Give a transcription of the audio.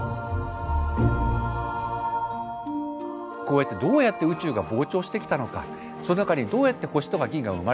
こうやってどうやって宇宙が膨張してきたのかその中にどうやって星とか銀河が生まれたのか。